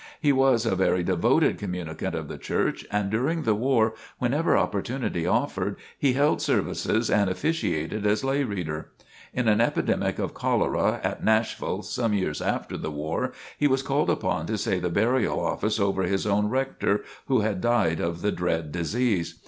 He was a very devoted communicant of the church, and during the war, whenever opportunity offered, he held services and officiated as lay reader. In an epidemic of cholera at Nashville, some years after the war, he was called upon to say the burial office over his own rector who had died of the dread disease.